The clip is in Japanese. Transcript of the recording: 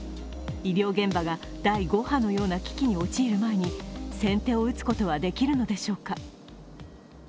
医療現場が第５波のような危機に陥る前に先手を打つことはできるのでしょうか。